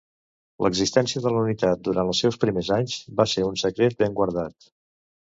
L'existència de la unitat durant els seus primers anys, va ser un secret ben guardat.